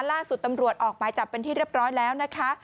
ล่าสุดตำรวจออกหมายจับเป็นที่เรียบร้อยแล้วนะคะ